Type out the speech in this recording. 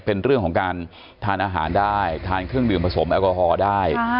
เป็นเรื่องของการทานอาหารได้ทานเครื่องดื่มผสมแอลกอฮอล์ได้